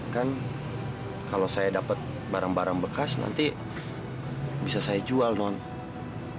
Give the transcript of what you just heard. kan kalau saya dapat barang barang bekas nanti bisa saya jual nonton